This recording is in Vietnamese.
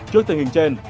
trước tình hình trên